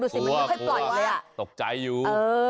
ตกใจอยู่